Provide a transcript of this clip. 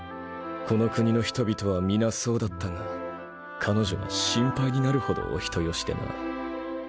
この国の人々は皆そうだったが彼女は心配になるほどお人よしでな。